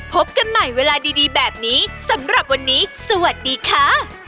พบกันใหม่เวลาดีแบบนี้สำหรับวันนี้สวัสดีค่ะ